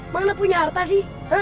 mana punya harta sih